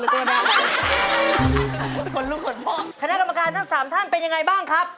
คณะกรำบาการทั้ง๓ท่านเป็นอย่างไรบ้างครับ